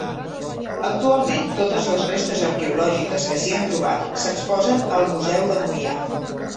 Actualment totes les restes arqueològiques que s'hi han trobat s'exposen al Museu de Moià.